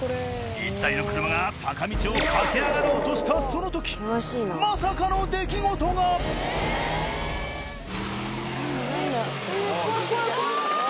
１台の車が坂道を駆け上がろうとしたその時なんだなんだ。